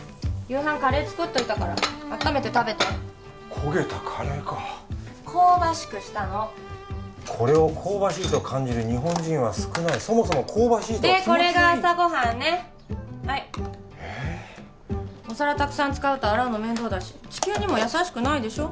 夕飯カレー作っといたからあっためて食べて焦げたカレーか香ばしくしたのこれを香ばしいと感じる日本人は少ないそもそも香ばしいとは気持ちのいいでこれが朝ご飯ねはいええっお皿たくさん使うと洗うの面倒だし地球にも優しくないでしょ